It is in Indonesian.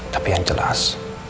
tapi yang jelas